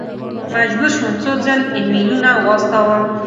مجبور شوم څو ځل ایمیلونه واستوم.